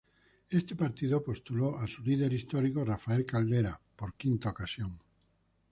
Este partido postuló a su líder histórico, Rafael Caldera, por quinta ocasión.